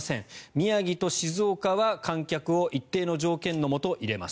宮城と静岡は観客を一定の条件のもと入れます。